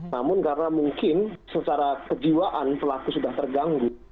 namun karena mungkin secara kejiwaan pelaku sudah terganggu